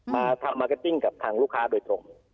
มาร์เก็ตติ้งกับทางลูกค้าโดยตรง